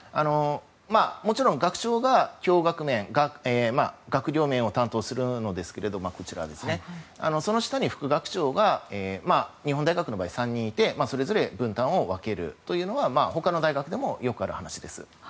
もちろん学長が学業面を担当するんですけどその下に副学長が日本大学の場合は３人いてそれぞれ分担をするというのは他の大学でもよくある話です。